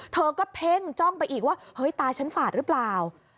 เธอก็เพ่งจ้องไปอีกว่าเฮ้ยตาฉันฝาดหรือเปล่า